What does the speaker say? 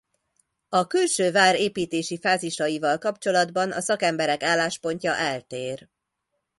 A külső vár építési fázisaival kapcsolatban a szakemberek álláspontja eltér.